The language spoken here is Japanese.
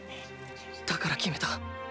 だから決めた。